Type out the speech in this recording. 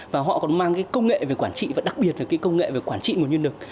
và họ còn mang cái công nghệ về quản trị và đặc biệt là cái công nghệ về quản trị nguồn nhân lực